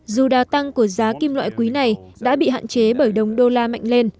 dù đa tăng của giá kim loại quý này đã bị hạn chế bởi đồng đô la mạnh lên